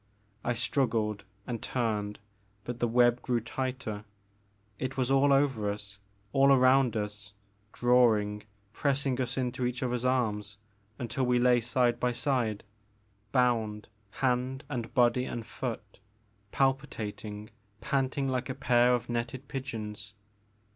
I struggled and turned but the web grew tighter ; it was over us — all around us, drawing, pressing us into each other's arms The Maker of Moons. 75 until we lay side by side, bound hand and body and foot, palpitating, panting like a pair of netted pigeons.